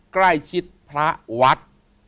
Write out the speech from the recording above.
ใกล้ชิดพระวัด